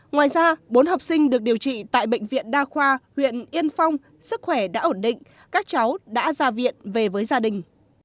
ngoài ra bốn học sinh được điều trị tại bệnh viện đa khoa huyện yên phong sức khỏe đã ổn định các cháu đã ra viện về với gia đình